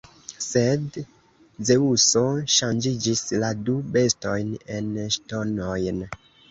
Sed Zeŭso ŝanĝiĝis la du bestojn en ŝtonojn.